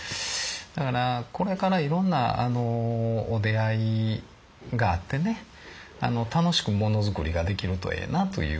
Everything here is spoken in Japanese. だからこれからいろんなお出会いがあってね楽しくもの作りができるとええなという。